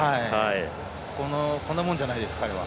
こんなもんじゃないです、彼は。